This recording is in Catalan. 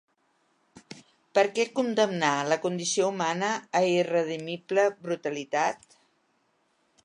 Per què condemnar la condició humana a irredimible brutalitat?